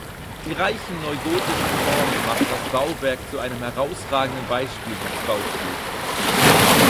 Die reichen neugotischen Formen machen das Bauwerk zu einem herausragenden Beispiel dieses Baustils.